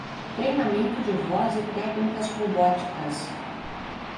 Treinamento de voz e técnicas robóticas